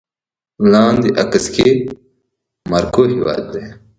لاندې عکس کې د مراکو هېواد دی